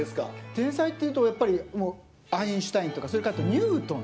天才っていうとやっぱりアインシュタインとかそれからあとニュートン。